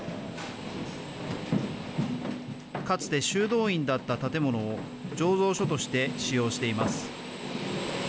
かつて修道院だった建物を醸造所として使用しています。